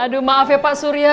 aduh maaf ya pak surya